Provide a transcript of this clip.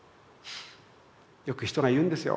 よく人が言うんですよ。